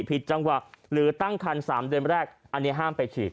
ผิดจังหวะหรือตั้งคัน๓เดือนแรกอันนี้ห้ามไปฉีด